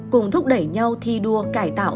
cùng thúc đẩy nhau thi đua cải tạo